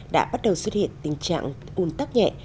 đã bắt đầu xuất hiện tình trạng un tắc nhẹ